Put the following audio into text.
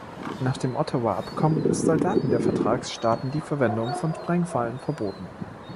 Nach dem Ottawa-Abkommen ist Soldaten der Vertragsstaaten die Verwendung von Sprengfallen verboten.